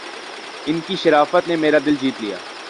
اس کی شرافت نے میرا دل جیت لیا